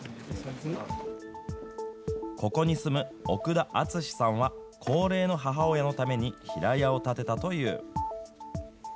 ここに住む奥田敦さんは、高齢の母親のために、平屋を建てたという。